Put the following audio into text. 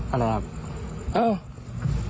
อะไรครับ